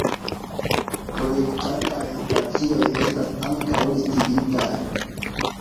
Projektataj stacioj estas ankaŭ listigitaj.